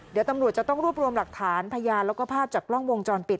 เดี๋ยวตำรวจจะต้องรวบรวมหลักฐานพยานแล้วก็ภาพจากกล้องวงจรปิด